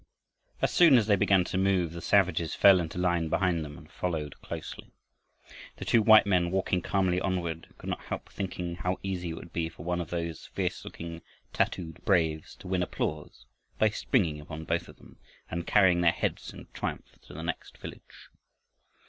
As soon as they began to move, the savages fell into line behind them and followed closely. The two white men, walking calmly onward, could not help thinking how easy it would be for one of those fierce looking tattooed braves to win applause by springing upon both of them and carrying their heads in triumph to the next village.